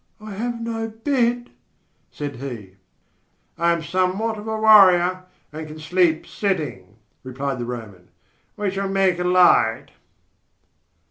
"I have no bed," said he. "I am somewhat of a warrior and can sleep sitting," replied the Roman. "We shall make a light."